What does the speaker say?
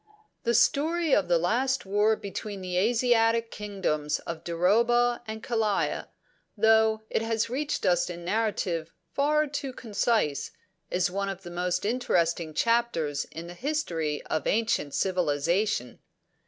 "'The Story of the last war between the Asiatic kingdoms of Duroba and Kalaya, though it has reached us in a narrative far too concise, is one of the most interesting chapters in the history of ancient civilisation.